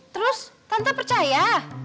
terus tante percaya